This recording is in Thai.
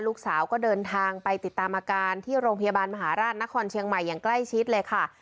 ลูกสาวก็เดินทางไปติดตามอาการที่โรงพยาบาลมหาราชนครเชียงใหม่อย่างใกล้ชิดเลยค่ะ